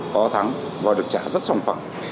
có thắng và được trả rất sòng phẳng